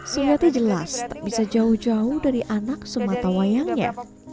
suryati jelas tak bisa jauh jauh dari anak sematawayangnya